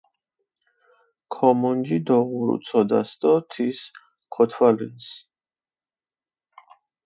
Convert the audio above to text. ქომონჯი დოღურუ ცოდას დო თის ქოთვალჷნს.